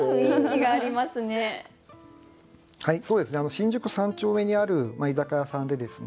新宿三丁目にある居酒屋さんでですね